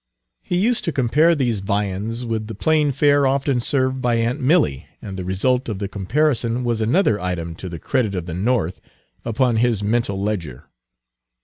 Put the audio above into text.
He used to compare these viands with the plain fare often served by aunt Milly, and the result of the comparison was another item to the credit of the North upon his mental ledger.